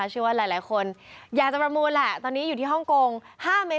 เชื่อว่าหลายคนอยากจะประมูลแหละตอนนี้อยู่ที่ฮ่องกง๕เม